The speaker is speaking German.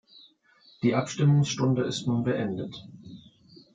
Die Abstimmungsstunde ist nun beendet.